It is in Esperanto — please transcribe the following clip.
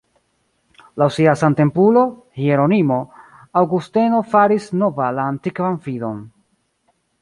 Laŭ sia samtempulo, Hieronimo, Aŭgusteno "faris nova la antikvan fidon.